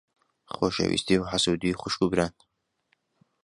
خۆشەویستی و حەسوودی خوشک و بران.